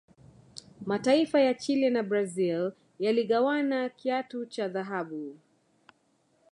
mataifa ya Chile na brazil yaligawana kiatu cha dhahabu